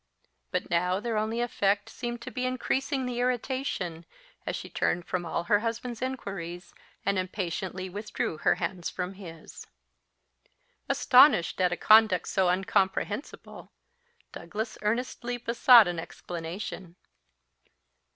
But now their only effect seemed to be increasing the irritation, as she turned from all her husband's inquiries, and impatiently withdrew her hands from his. Astonished at a conduct so incomprehensible, Douglas earnestly besought an explanation.